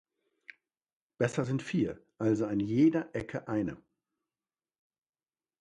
Besser sind vier, also an jeder Ecke eine.